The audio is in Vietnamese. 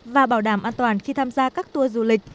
và bảo đảm an toàn khi tham gia các tour du lịch